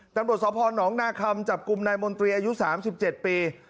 ตรวจสอบพอลหง่ามธรรมจับกลุ่มนายมนตรียู๓๗ปี